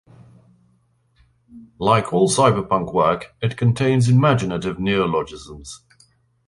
Like all cyberpunk work, it contains imaginative neologisms.